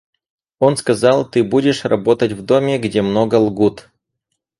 Он сказал: «Ты будешь работать в доме, где много лгут».